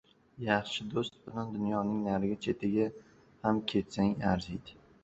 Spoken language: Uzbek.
• Yaxshi do‘st bilan dunyoning narigi chetiga ham ketsang arziydi.